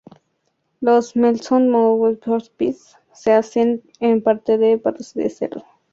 Los "Melton Mowbray pork pies" se hacen en parte de patas de cerdo.